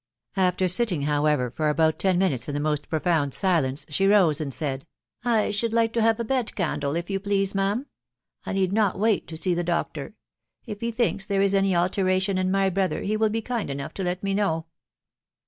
After sitting, however, for about ten minutes in the most profound silence, she rose and said, —" I should like to have a bed candle, if you please, ma'am. I need not wait to see the doctor. If he thinks there is any alteration in my brother, he will be kind enough to let me Know."